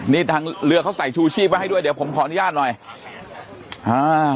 นี่ทางเรือเขาใส่ชูชีพไว้ให้ด้วยเดี๋ยวผมขออนุญาตหน่อยอ่า